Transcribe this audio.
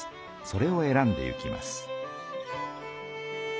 それを選んでいきます。